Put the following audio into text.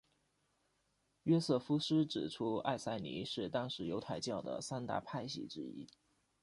约瑟夫斯指出艾赛尼是当时犹太教的三大派系之一。